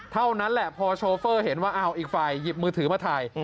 เท่านั้นแหละพอโชเฟอร์เห็นว่าอ้าวอีกฝ่ายหยิบมือถือมาถ่าย